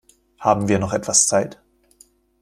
Haben wir noch etwas Zeit?